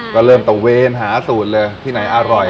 ก็เริ่มตะเวนหาสูตรเลยที่ไหนอร่อย